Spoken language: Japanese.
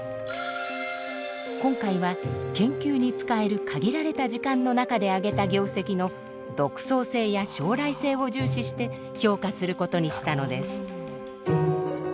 今回は研究に使える限られた時間の中であげた業績の独創性や将来性を重視して評価することにしたのです。